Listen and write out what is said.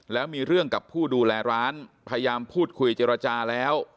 แล้วมีเรื่องกับผู้ดูแลร้านพยายามพูดคุยเจรจาแล้ว